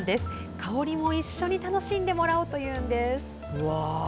香りも一緒に楽しんでもらおうというんです。